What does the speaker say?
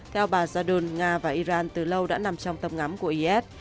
theo bà zadern nga và iran từ lâu đã nằm trong tầm ngắm của is